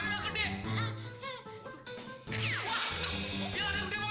nyamuknya gede banget mana